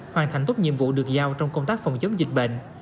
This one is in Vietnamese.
hoàn thành tốt nhiệm vụ được giao trong công tác phòng chống dịch bệnh